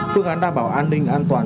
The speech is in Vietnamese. phương án đảm bảo an ninh an toàn